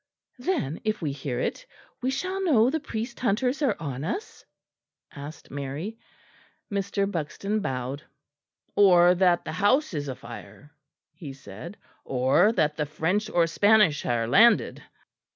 "Then, if we hear it, we shall know the priest hunters are on us?" asked Mary. Mr. Buxton bowed. "Or that the house is afire," he said, "or that the French or Spanish are landed."